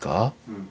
うん。